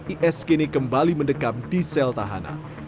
is kini kembali mendekam di selthana